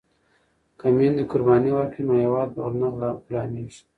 که میندې قرباني ورکړي نو هیواد به نه غلامیږي.